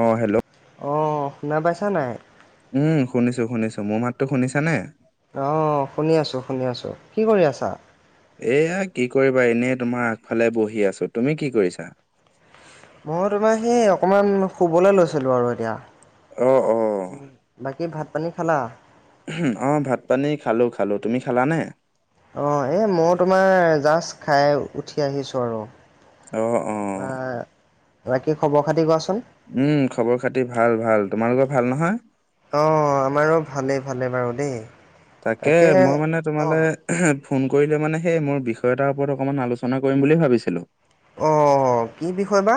অ hello অ শুনা পাইছা নাই উম শুনিছো শুনিছো মোৰ মাততো শুনিছা নে অ শুনি আছোঁ শুনি আছোঁ কি কৰি আছা এয়া কি কৰিবা এনেই তোমাৰ আগফালে বহি আছো তুমি কি কৰিছা মই তোমাৰ সেই অকমান শুবলৈ লৈছিলো আৰু এতিয়া অ অ বাকী ভাত পানী খালা অ ভাত পানী খালোঁ খালোঁ তুমি খালানে অ এ ময়ো তোমাৰ জাষ্ট খাই উঠি আহিছো আৰু অ অ তাৰপা বাকী খবৰ খাতি কোৱাচোন উম খবৰ খাতি ভাল ভাল তোমালোকৰ ভাল নহয় অঁ আমাৰো ভালেই ভালেই বাৰু দেই তাকে মই মানে তোমালে অঁ ফোন কৰিলো মানে সেই মোৰ বিষয় এটাৰ ওপৰত অকণমান আলোচনা কৰিম বুলি ভাবিছিলো অঁ কি বিষয় বা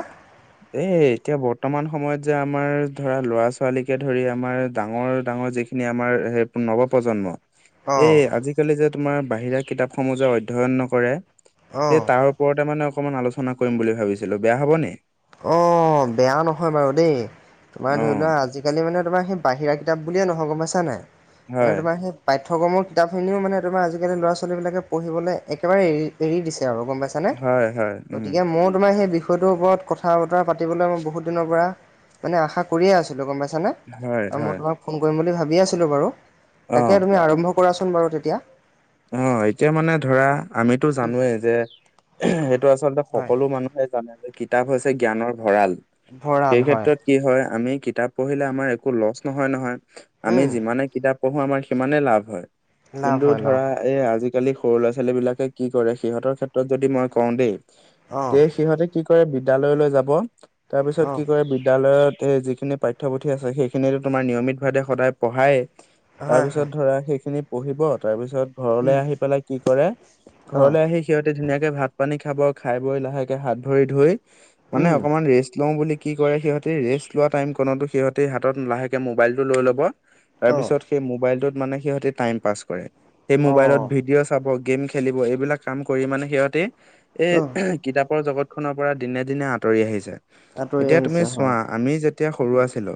এ এতিয়া বৰ্তমান সময়ত যে আমাৰ ধৰা ল'ৰা ছোৱালীকে ধৰি আমাৰ ডাঙৰ ডাঙৰ যি খিনি আমাৰ সেই নৱপ্ৰজন্ম অঁ এই আজিকালি যে তোমাৰ বাহিৰা কিতাপ সমূহ যে অধ্যয়ন নকৰে এই অঁ তাৰ ওপৰতে মানে অকণমান আলোচনা কৰিম বুলি ভাবিছিলোঁ বেয়া হ'বনি অঁ বেয়া নহয় বাৰু দেই তোমাৰ ধৰি লোৱা অ', আজি আজিকালি মানে তোমাৰ সেই বাহিৰা কিতাপ বুলিয়ে নহয় গম পাইছা নাই মানে হয়, তোমাৰ সেই পাঠ্যক্ৰমৰ কিতাপখিনিও মানে তোমাৰ আজিকালি ল'ৰা ছোৱালীবিলাকে পঢ়িবলৈ একেবাৰে এৰি এৰি দিছে আৰু গম পাই- -ছানে হয়, হয়, উম, গতিকে ময়ো তোমাৰ সেই বিষয়টোৰ ওপৰত কথা বতৰা পাতিবলৈ মই বহুত দিনৰ পৰা মানে আশা কৰিয়ে আছিলোঁ গম পাইছানে হয়, হয়, মই তোমাক ফোন কৰিম বুলি ভাবিয়েই আছিলো বাৰু অ', তাকে তুমি আৰম্ভ কৰাচোন বাৰু তেতিয়া অ এতিয়া মানে ধৰা আমিতো জানোৱেই যে সেইটো আচলতে হয় সকলো মানুহে জানে যে কিতাপ হৈছে জ্ঞানৰ ভঁৰাল ভঁৰাল সেই হয় ক্ষেত্ৰত কি হয় আমি কিতাপ পঢ়িলে আমাৰ একো লছ নহয় নহয় আমি উম, যিমানে কিতাপ পঢ়ো আমাৰ সিমানেই লাভ হয় লাভ হয় লাভ আৰে আজিকালি সৰু ল'ৰা ছোৱালী বিলাকে কি কৰে সিহঁতৰ ক্ষেত্ৰত যদি মই কওঁ দেই অঁ তে সিহঁতে কি কৰে বিদ্যালয়লৈ যাব তাৰ পিছত অঁ কি কৰে বিদ্যালয়ত সেই যি খিনি পাঠ্যপুথি আছে সেইখিনিতো তোমাৰ নিয়মিত ভাৱে সদায় পঢ়ায়ে তাৰ হয় পিছত হয় ধৰা সেইখিনি পঢ়িব তাৰ পিছত ঘৰলৈ আহি পেলাই কি কৰে অঁ ঘৰলে আহি সিহঁতে ধুনীয়াকে ভাত পানী খাব খাই বৈ লাহেকে হাত ধৰি ধুই মানে উম, অকনমান ৰেষ্ট লওঁ বুলি কি কৰে সিহঁতে ৰেষ্ট লোৱা টাইম কণতো সিহঁতে হাতত লাহেকে মোবাইল টো লৈ ল'ব অ', তাৰপিছত সেই মোবাইলটোত মানে সিহঁতে টাইম পাছ কৰে সেই মোবাইলত অ', ভিডিঅ' চাব গেম খেলিব এইবিলাক কাম কৰি মানে সিহঁতে এ অ', কিতাপৰ জগতখনৰ পৰা দিনে দিনে আঁতৰি আহিছে আঁতৰি এতিয়া তুমি আহিছে চোৱা হয়। আমি যেতিয়া সৰু আছিলো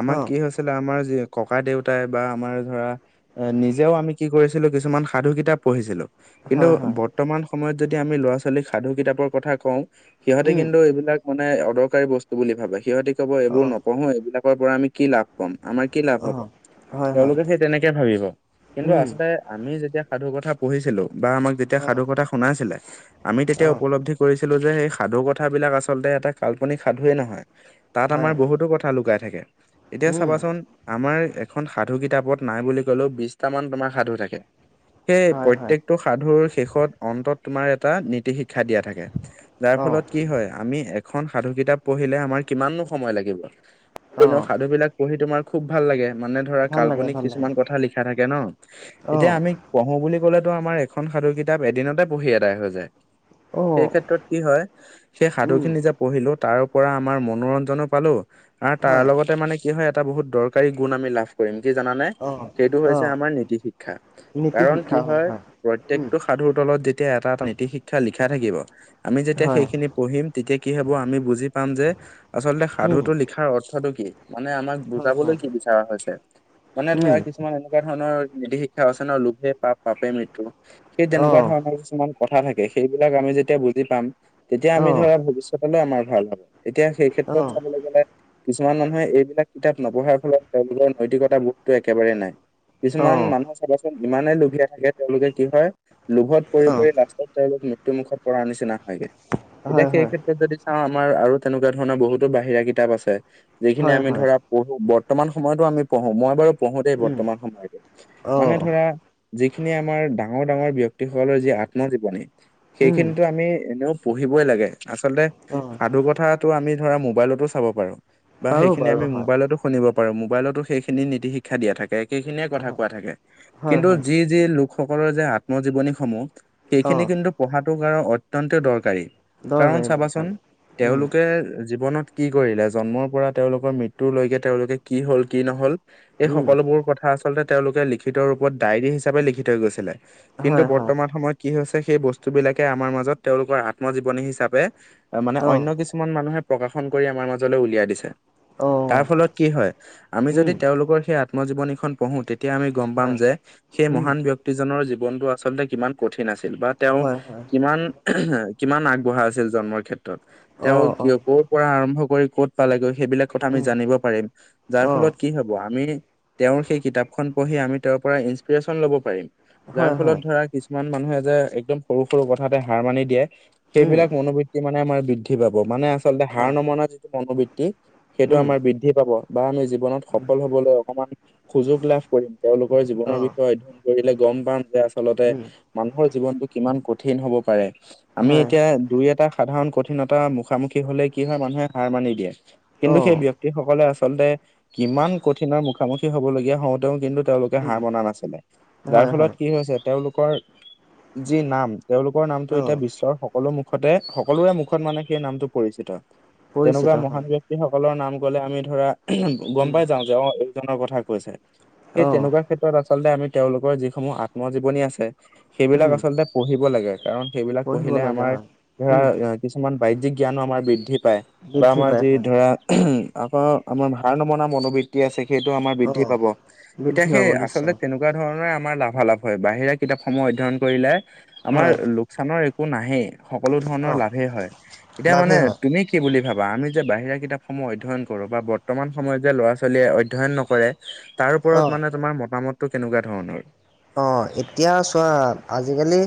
আমাৰ অ', কি হৈছিল আমাৰ যি ককা দেউতাই বা আমাৰ ধৰা এ নিজেও আমি কি কৰিছিলো কিছুমান সাধু কিতাপ পঢ়িছিলো কিন্তু হয়, হয়, বৰ্তমান সময়ত যদি আমি ল'ৰা ছোৱালীক সাধু কিতাপৰ কথা কওঁ সিহঁতে উম, কিন্তু এইবিলাক মানে অদৰকাৰী বস্তু বুলি ভাবে সিহঁতি ক'ব এইবোৰ অ', নপঢ়ো এইবিলাকৰ পৰা আমি কি লাভ পাম আমাৰ কি লাভ হব অ', হয়, হয়, তেওঁলোকে সেই তেনেকে ভাবিব কিন্তু উম, আচলতে আমি যেতিয়া সাধু কথা পঢ়িছিলো বা আমাক যেতিয়া অ', সাধু কথা শুনাইছিলে আমি তেতিয়া অ', উপলব্ধি কৰিছিলো যে সেই সাধু কথাবিলাক আচলতে এটা কাল্পনিক সাধুৱেই নহয় তাত হয়, আমাৰ বহুতো কথা লুকাই থাকে এতিয়া উম, চাবাচোন আমাৰ এখন সাধু কিতাপত নাই বুলি ক'লেও বিছটামান তোমাৰ সাধু থাকে সেই হয়, হয়, প্ৰত্যেকটো সাধুৰ শেষত অন্তত তোমাৰ এটা নীতি শিক্ষা দিয়া থাকে যাৰ অ', ফলত কি হয় আমি এখন সাধু কিতাপ পঢ়িলে আমাৰ কিমাননো সময় লাগিব ক অ', সাধু বিলাক পঢ়ি তোমাৰ খুব ভাল লাগে মানে ধৰা ভাল লাগে, কাল্পনিক ভাল লাগে, কিছুমান কথা লিখা শা থাকে ন এতিয়া অ', আমি পঢ়ো বুলি কলেতো আমাৰ এখন সাধু কিতাপ এদিনতে পঢ়ি এদাই হৈ যায় সেই অ', ক্ষেত্ৰত কি হয় সেই সাধু উম, খিনি যে পঢ়িলো তাৰ পৰা আমাৰ মনোৰঞ্জনো পালো আৰু তাৰ হয়, লগতে মানে কি হয় এটা বহুত দৰকাৰী গুণ আমি লাভ কৰিম কি জানানে? অ', সেইটো হৈছে অ', আমাৰ নীতি শিক্ষা, কাৰণ কি হয় উম, প্ৰত্যয়েকটো- সাধুৰ তলত যেতিয়া এটা এটা নীতি শিক্ষা লিখা থাকিব। আমি যেতিয়া হয়, সেইখিনি পঢ়িম তেতিয়া কি হব আমি বুজি পাম যে- আচলতে উম, সাধুটো লিখাৰ অৰ্থটো কি? মানে আমাক হয়, বুজাবলৈ হয়, কি বিচৰা হৈছে, মানে উম, ধৰা কিছু কিছুমান এনেকুৱা ধৰণৰ নিতি শিক্ষা আছে ন লোভে পাপ পাপে মৃত্যু সেই তেনেকুৱা অ', ধৰণৰ কিছুমান- কথা থাকে সেইবিলাক আমি যেতিয়া বুজি পাম, তেতিয়া আমি অ', ধৰা ভৱিষ্যতলৈ আমাৰ ভাল হব। এতিয়া সেই ক্ষেত্ৰত অ', চাবলৈ গ'লে- কিছুমান মানুহে এইবিলাক কিতাপ নপঢ়াৰ ফলত তেওঁলোকৰ নৈতিকতা বোধতো একেবাৰে নাই। কিছুমান অ', মানুহ চাবাচোন ইমানেই লুভীয়া থাকে তেওঁলোকে কি হয়। লোভত পৰি অ', পৰি লাষ্টত তেওঁলোক মৃত্যুমুখত পৰা নিচিনা হয়গৈ এতিয়া হয়, সেই হয়, ক্ষেত্ৰত যদি- অ আমাৰ আৰু তেনেকুৱা ধৰণৰ বহুতো বাহিৰা কিতাপ আছে যিখিনি হয়, আমি হয়, ধৰা- পঢ়ো বৰ্তমান সময়তো আমি পঢ়ো মই বাৰু পঢ়োতেই উম, বৰ্তমান সময়তো মানে অ', ধৰা- যিখিনি আমাৰ ডাঙৰ ডাঙৰ ব্যক্তিসকলৰ যি আত্মজীৱনী, উম, সেইখিনিটো আমি এনেও- পঢ়িবই লাগে আচলতে অঁ সাধু কথাটো আমি ধৰা মোবাইলতো চাব পাৰো। বা পাৰো সেইখিনি পাৰো আমি হয় মোবাইলতো শুনিব পাৰো মোবাইলতো সেইখিনি নিতি শিক্ষা দিয়া থাকে। সেইখিনিয়ে কথা কোৱা থাকে, হয় কিন্তু হয় যি যি লোকসকলৰ যে আত্মজীৱনী সমূহ- সেইখিনি অঁ কিন্তু পঢ়াটো কৰা অত্যন্ত দৰকাৰী। কাৰণ দৰকাৰী চাবাচোন দৰকাৰী উম তেওঁলোকে জীৱনত- কি কৰিলে জন্মৰ পৰা তেওঁলোকৰ মৃত্যু লৈকে তেওঁলোকে কি হল কি নহল এই উম সকলোবোৰ ক থা আচলতে তেওঁলোকে লিখিত ৰূপত ডায়েৰী হিচাপে লিখি থৈ গৈছিলে কিন্তু হয় হয় বৰ্তমান সময়ত- কি হৈছে সেই বস্তু বিলাকে আমাৰ মাজত তেওঁলোকৰ আত্মজীৱনী হিচাপে মানে অঁ অন্য কিছু কিছুমান মানুহে প্ৰকাশন কৰি আমাৰ মাজলৈ উলিয়াই দিছে। তাৰ অঁ ফলত কি হয় আমি যদি উম তেওঁলোকৰ সেই আত্মজীৱনীখন পঢ়ো তেতিয়া আমি- গম পাম হয় যে, সেই উম মহান ব্যক্তিজনৰ জীৱনতটো আচলতে কিমান কঠিন আছিল বা- তেওঁ হয় হয় কিমান কিমান আগবঢ়া আছিল জন্মৰ ক্ষেত্ৰত, তেওঁ অঁ ক অঁ ক- পৰা আৰম্ভ কৰি ক'ত পালেগৈ সেইবিলাক কথা আমি উম জানিব পাৰিম যাৰ অঁ ফলত- কি হ'ব আমি তেওঁৰ সেই কিতাপখন পঢ়ি আমি তেওঁৰ পৰা ইনস্পিৰেশ্যন লব পাৰিম। যাৰ হয় ফলত হয় ধৰা কিছুমান মানুহে যে একদম সৰু সৰু কথাতে হাৰ মানি দিয়ে। উম সেইবিলাক মনোবৃত্তি মানে আমাৰ বৃদ্ধি পাব মানে আচলতে হাৰ হয় নমনা যিটো মনোবৃত্তি। সেইটো উম আমাৰ বৃদ্ধি পাব বা আমি জীৱনত সফল হবলৈ অকণমান - সুযোগ লাভ কৰিম তেওঁলোকৰ জীৱনৰ অঁ বিষয়ে অধ্যয়ন কৰিলে গম পাম যে আচলতে- উম মানুহৰ জীৱনটো কিমান কঠিন হব পাৰে আমি হয় এতিয়া দুই এটা- সাধাৰণ কঠিনতাৰ মুখামুখি হলে কি হয় মানুহে হাৰ মানি দিয়ে কিন্তু অঁ সেই ব্যক্তি সকলে আচলতে কিমান কঠিনৰ মুখামুখি হবলগীয়া হওঁতেও কিন্তু- তেওঁলোকে উম হাঁহ বনা নাছিলে, যাৰ হয় ফলত হয় কি হৈছে তেওঁলোকৰ যি নাম- তেওঁলোকৰ নামটো অঁ এতিয়া বিশ্বৰ সকলো মুখতে সকলোৰে মুখত মানে সেই নামটো পৰিচিত। পৰিচিত তেনেকুৱা হয় মহান ব্যক্তি সকলৰ নাম গলে আমি ধৰা গম উম পাই যাও যে অ এইজনৰ কথা- কথা কৈছে, সেই অঁ তেনেকুৱা ক্ষেত্ৰত আচলতে আমি তেওঁলোকৰ যিসমূহ আত্মজীৱনী আছে- সেইবিলাক উম আচলতে পঢ়িব লাগে কাৰণ সেইবিলাক পঢ়িব পঢ়িলে লগা আমাৰ হয় উম ধৰা- কিছুমান বাহ্যিক জ্ঞানো আমাৰ বৃদ্ধি পায় বা বৃদ্ধি আমাৰ পায় যি হয় ধৰা- আকৌ আমাৰ ভাল নমনা মনোবৃত্তি আছে সেই- বৃদ্ধি অঁ পাব, এতিয়া বৃদ্ধি সেই পাব আচলতে নিশ্চয় কেনেকুৱা- তেনেকুৱা ধৰণৰে আমাৰ লাভালাভ হয় বাহিৰে কিতাপসমূহ অধ্যয়ন কৰিলে হয় আমাৰ- লোক চানৰ একো নাহেই সকলো ধৰণৰ অঁ লাভেই হয় এতিয়া মানে লাভেই হয় তুমি কি বুলি ভাবা আমি যে বাহিৰা কিতাপসমূহ অধ্যয়ন কৰো বা বৰ্তমান সময়ত যে ল'ৰা ছোৱালীয়ে অধ্যয়ন নকৰে তাৰ ওপৰত অ'। মানে তোমাৰ মতামতটো কেনেকুৱা ধৰণৰ। অ', এতিয়া চোৱা আজিকালি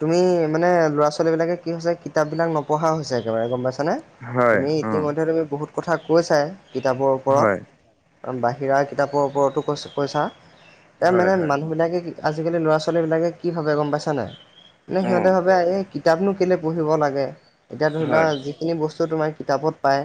তুমি মানে ল'ৰা ছোৱালীবিলাকে কি হৈছে কিতাপবিলাক নপঢ়া হৈছে একেবাৰে গ'ম পাইছানে। হয় তুমি অ' ইতিমধ্যে তুমি বহুত কথা কৈছা কিতাপৰ ওপৰত হয় বাহিৰা কিতাপৰ ওপৰতো কৈছ পইছা এ হয় মানে হয় মানুহ বিলাকে আজিকালি ল'ৰা ছোৱালী বিলাকে কি ভাবে গম পাইছা নাই মানে অ' সিহঁতে ভাবে এই কিতাপনো কেলে পঢ়িব লাগে এতিয়া ধৰি লোৱা হয় যিখিনি বস্তু তোমাৰ কিতাপত পায়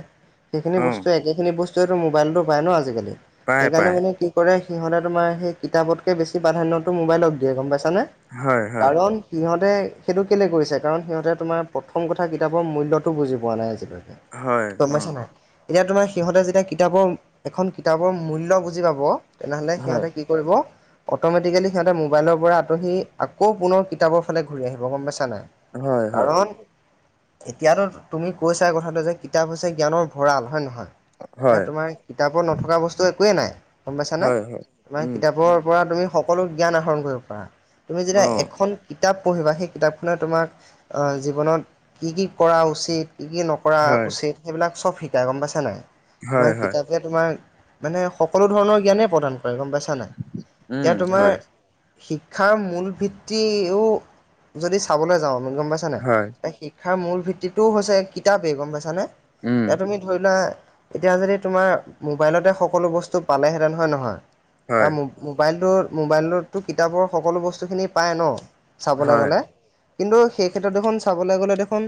সেইখিনি বস্তু অ' একেখিনি বস্তুৱেতো মোবাইলতো পায় ন আজিকালি পায় সেইকাৰণে পায় মানে কি কৰে সিহঁতে তোমাৰ সেই কিতাপতকৈ বেছি প্ৰাধান্যটো মোবাইলক দিয়ে গ'ম পাইছানে হয় হয় কাৰণ সিহঁতে সেইটো কেলে গৈছে কাৰণ সিহঁতে তোমাৰ প্ৰথম কথা কিতাপৰ মূল্যটো বুজি পোৱা নাই আজিলৈকে হয় গ'ম অ' পাইছা নাই। এতিয়া তোমাৰ সিহঁতে যেতিয়া কিতাপৰ এখন কিতাপৰ মূল্য বুজি পাব তেনেহ'লে হয় সিহঁতে অটমেটিকেলি সিহঁতে মোবাইলৰ পৰা আঁতৰি আকৌ পুনৰ কিতাপৰ ফালে ঘূৰি আহিব গ'ম পাইছা নাই। হয় হয় কাৰণ এতিয়াতো তুমি কৈছা কথাটো যে কিতাপ হৈছে জ্ঞানৰ ভঁৰাল হয় নে নহয় এতিয়া হয় তোমাৰ কিতাপৰ নথকা বস্তু একোৱেই নাই গ'ম পাইছানে নাই। হয় হয় তোমাৰ উম কিতাপৰ পৰা তুমি সকলো জ্ঞান আহৰণ কৰিব পাৰা তুমি যেতিয়া অ' এখন কিতাপ পঢ়িবা সেই কিতাপখনে তোমাক জীৱনত কি, কি কৰা উচিত কি, কি নকৰা হয় উচিত সেইবিলাক চব শিকাই গ'ম পাইছা নাই। হয় তোমাৰ হয় কিতাপে তোমাৰ মানে সকলো ধৰণৰ জ্ঞানে প্ৰদান গম পাইছা নাই উম এতিয়া তোমাৰ হয় শিক্ষাৰ মূল ভিত্তিও যদি চাবলৈ যাওঁ আমি গম পাইছা হয় নাই শিক্ষাৰ মূল ভিত্তিটোও হৈছে কিতাপেই গ'ম পাইছানে উম এয়া তুমি ধৰিলোৱা এতিয়া যদি তোমাৰ মোবাইলতে সকলো বস্তু পালেহেঁতেন হয়নে নহয়। তাৰ হয় মোবাইলটো, মোবাইলতো কিতাপৰ সকলো বস্তুখিনি পায় ন। চাবলৈ হয় গ'লে কিন্তু সেই ক্ষেত্ৰত দেখোন চাবলৈ গ'লে দেখোন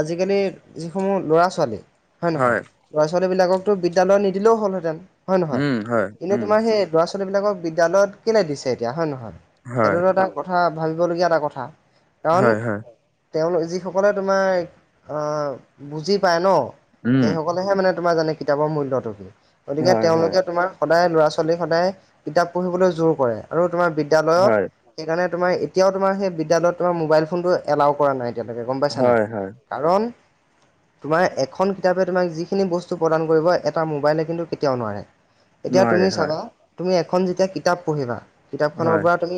আজিকালি যিসমূহ ল'ৰা ছোৱালী হয় নহয় ল'ৰা ছোৱালী বিলাককো বিদ্যালয়ত নিদিলেও হ'লহেঁতেন হয় নহয় উম হয় কিন্তু উম তোমাৰ সেই ছোৱালী বিলাকক বিদ্যালয়ত কেলে দিছে এতিয়া হয় ন নহয় সেইটো হয় এটা কথা ভাবিবলগীয়া এটা কথা কাৰণ হয় হয় তেওঁলোক যিসকলে তোমাৰ বুজি পায় ন উম সেই সকলেহে মানে তোমাৰ জানে কিতাপৰ মূল্যটো কি গতিকে হয় হয় তেওঁলোকে তোমাৰ সদায় ল'ৰা ছোৱালী সদায় কিতাপ পঢ়িবলৈ জোৰ কৰে আৰু তোমাৰ বিদ্যলয়ত হয় সেইকাৰণে তোমাৰ এতিয়াও তোমাৰ সেই বিদ্যালয়ত তোমাৰ মোবাইল ফোনটো এলাও কৰা নাই এতিয়ালকে গ'ম পাইছা হয় নাই। হয় কাৰণ তোমাৰ এখন কিতাপে তোমাক যিখিনি বস্তু প্ৰদান কৰিব এটা মোবাইলে কিন্তু কেতিয়াও নোৱাৰে। এতিয়া তুমি নোৱাৰে হয় চাবা তুমি এখন যেতিয়া কিতাপ পঢ়িবা কিতাপখনৰ হয় পৰা তুমি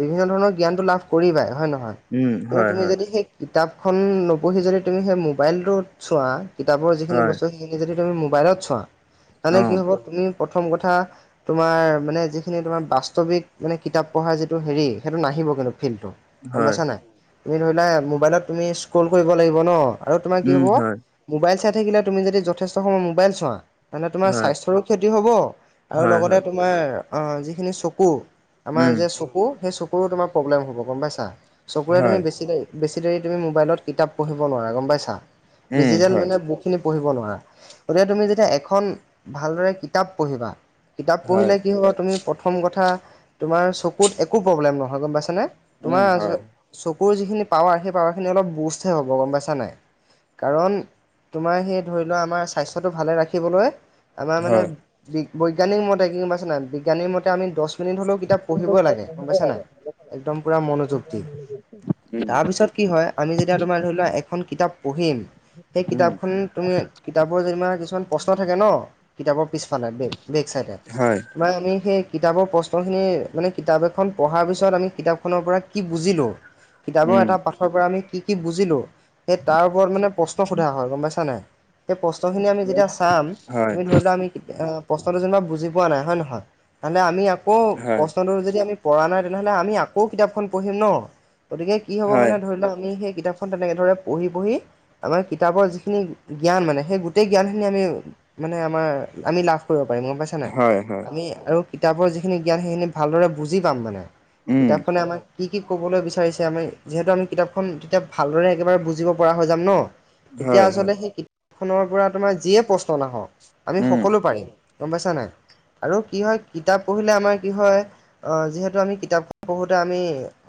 বিভিন্ন ধৰণৰ জ্ঞানটো লাভ কৰিবাই হয় নে নহয় উম কিন্তু হয় তুমি হয় যদি সেই কিতাপ খন নপঢ়ি যদি তুমি সেই মোবাইল টো চোৱা কিতাপৰ যিখিনি হয় বস্তু যদি তুমি মোবাইলত চোৱা তেন্তে অ কি হ'ব তুমি প্ৰথম কথা তোমাৰ মানে যিখিনি তোমাৰ মানে কিতাপ পঢ়াৰ যিটো হেৰি সেইটো নাহিব কিন্তু ফিল্ডটো, গম হয় পাইছা নাই? তুমি ধৰিলা মোবাইলত তুমি স্ক্ৰল কৰিব লাগিব ন আৰু তোমাৰ কি উম হ'ব! হয় মোবাইল চাই থাকিলে তুমি যদি যথেষ্ট সময়ত মোবাইল চোৱা। তেন্তে তোমাৰ হয় স্বাস্থ্যৰো ক্ষতি হ'ব আৰু হয় লগতে হয় তোমাৰ যিখিনি চকু আমাৰ উম যে চকু সেই চকুৰো তোমাৰ প্ৰব্লেম হ'ব গম পাইছা। চকুৰে তুমি হয় বেছি দেই বেছি দেৰি তুমি মোবাইলত কিতাপ পঢ়িব নোৱাৰা গম পাইছা। উম ডিজিটেল হয় মানে বুক খিনি পঢ়িব নোৱাৰা গতিকে তুমি যেতিয়া এখন ভালদৰে কিতাপ পঢ়িবা। কিতাপ হয় পঢ়িলে কি হ'ব তুমি প্ৰথম কথা তোমাৰ চকুত একো প্ৰব্লেম নহয় গম পাইছানে। উম তোমাৰ হয় চকুৰ যিখিনি পাৱাৰ সেই পাৱাৰ খিনি অলপ বুষ্টে হ'ব গম পাইছা নাই কাৰণ তোমাৰ সেই ধৰি লোৱা আমাৰ স্বাস্থ্যটো ভালে ৰাখিবলৈ আমাৰ মানে হয় বৈজ্ঞানিক মতে কি গম পাইছা নাই বিজ্ঞানিক মতে আমি দহ কিনি হ'লেও কিতাপ পঢ়িব লাগে গম পঢ়িব পাইছা নাই লাগে একদম পূৰা মনোযোগ দি উম তাৰপিছত কি হয়, আমি যেতিয়া তোমাৰ ধৰি লোৱা এখন কিতাপ পঢ়িম সেই উম কিতাপখন তুমি কিতাপৰ যেনিবা কিছুমান প্ৰশ্ন থাকে ন' কিতাপৰ পিছফালে বে-ৱেক চাইডে। হয় বা আমি সেই কিতাপৰ প্ৰশ্ন ত হে মানে কিতাপ এখন পঢ়াৰ পিছত আমি কিতাপখনৰ পৰা কি বুজিলো কিতাপৰ উম এটা আমি কি কি বুজিলো সেই তাৰ ওপৰত মানে প্ৰশ্ন সোধা হয়। গম পাইছানে? সেই প্ৰশ্নখিনি আমি যেতিয়া চাম হয় আমি ধৰি লোৱা আমি- এতিয়া অ প্ৰশ্নটো যেনিবা বুজি পোৱা নাই হয় ন নহয় আনতে আমি আকৌ হয় প্ৰশ্নটো যদি আমি পৰা নাই তেনেহ'লে আমি আকৌ কিতাপখন পঢ়িম ন। গতিকে কি হ'ব হয় মানে ধৰি লওঁ আমি সেই কিতাপ তেনেকে ধৰে পঢ়ি পঢ়ি আমাৰ কিতাপৰ যিখিনি জ্ঞান মানে সেই গোটেই জ্ঞানখিনি আমি- মানে আমাৰ আমি লাভ কৰিব পাৰিম। গম পাইছা? হয় নাই, আমি আৰু কিতাপৰ যিখিনি জ্ঞান সেইখিনি ভালদৰে বুজি পাম মানে। উম কিতাপখনে আমাক কি কি ক'বলৈ বিচাৰিছে আমি যিহেতু আমি কিতাপখন তেতিয়া ভালদৰে একেবাৰে বুজিব পৰা হৈ যাম ন। তেতিয়া হয় হয় আচলতে সেই কিতাপখনৰ পৰা তোমাৰ যিয়ে প্ৰশ্ন নাহক আমি উম সকলো পাৰিম। গম পাইছা নাই আৰু কি হয় কিতাপ পঢ়িলে আমাৰ কি হয় অ' যিহেতু আমি কিতাপখন পঢ়োঁতে আমি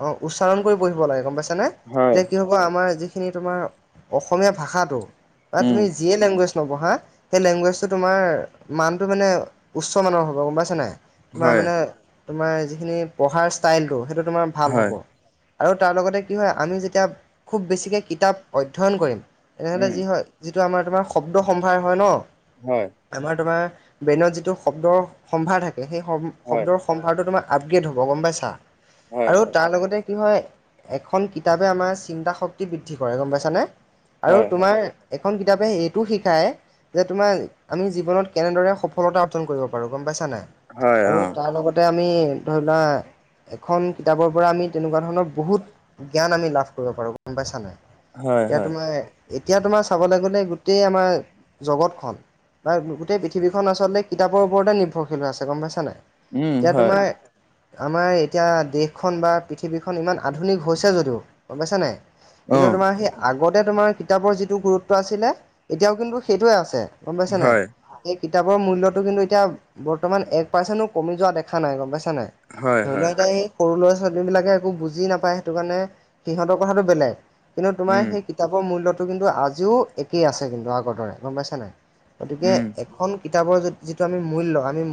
অ', উচ্চাৰণ কৰি পঢ়িব লাগে গম পাইছা নে? হয় যেতিয়া কি আমাৰ যিখিনি তোমাৰ অসমীয়া ভাষাটো বা উম তুমি যিয়ে লেংগুৱেজ নপঢ়া সেই লেংগুৱেজটো তোমাৰ মানটো মানে উচ্চমানৰ হ'ব গম পাইছানে নাই হয় তোমাৰ মানে তোমাৰ যিখিনি পঢ়াৰ ষ্টাইলটো সেইটো তোমাৰ ভাল হ'ব হয় আৰু তাৰ লগতে কি হয় আমি যেতিয়া খুব বেছিকৈ কিতাপ অধ্যয়ন কৰিম- তেনেহ'লে উম যি হয় যিটো আমাৰ তোমাৰ শব্দ সম্ভাৰ হয় ন হয় আমাৰ তোমাৰ ব্ৰেইনত যিটো শব্দৰ সম্ভাৰ থাকে। সেই সম হয় শব্দৰ সম্ভাৰটো তোমাৰ আপগ্ৰেড হ'ব গম পাই চা হয় হয় আৰু তাৰ লগতে কি হয়, এখন কিতাপে আমাৰ চিন্তা শক্তি বৃদ্ধি কৰে। গম পাইছানে? আৰু হয় তোমাৰ এখন কিতাপে এইটো শিকায় যে তোমাৰ আমি জীৱনত কেনেদৰে সফলতা অৰ্জন কৰিব পাৰোঁ, গম পাইছা নে নাই। হয় হয় আৰু অ তাৰ লগতে আমি ধৰি লোৱা এখন কিতাপৰ পৰা আমি তেনেকুৱা ধৰণৰ বহুত- জ্ঞান আমি লাভ কৰিব পাৰো গম পাইছানে নাই হয় এতিয়া হয় তোমাই এতিয়া তোমাৰ চাবলৈ গলে গোটেই আমাৰ জগতখন বা গোটেই পৃথিৱীখন আচলতে কিতাপৰ ওপৰতে নিৰ্ভৰশীল হৈ আছে গম পাইছা নাই? উম এতিয়া হয় তোমাৰ আমাৰ এতিয়া দেশখন বা পৃথিৱীখন ইমান আধুনিক হৈছে যদিও- গম পাইছা নে অ কিন্তু তোমাৰ সেই আগতে তোমাৰ কিতাপৰ যিটো গুৰুত্ব আছিলে এতিয়াও কিন্তু সেইটোৱে আছে গম পাইছে নে নাই। হয় সেই কিতাপৰ মূল্যটো কিন্তু এতিয়া বৰ্তমান এক পাৰ্চেন্টো কমি যোৱা দেখা নাই গম পাইছানে নাই। হয় ধৰি হয় লোৱাক এ এই সৰু ল'ৰা ছোৱালী বিলাকে একো বুজি নাপায় সেইটো কাৰণে সিহঁতৰ কথাটো বেলেগ। কিন্তু তোমাৰ উম সেই কিতাপৰ মূল্যটো কিন্তু আজিও একেই আছে, কিন্তু আগৰ দৰে গম পাইছা নাই? গতিকে উম এখন কিতাপৰ, য যিটো আমি মূল্য আমি?